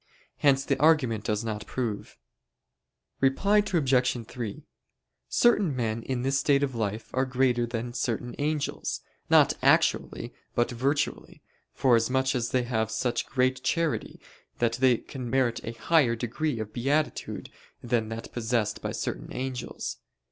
Hence the argument does not prove. Reply Obj. 3: Certain men in this state of life are greater than certain angels, not actually, but virtually; forasmuch as they have such great charity that they can merit a higher degree of beatitude than that possessed by certain angels.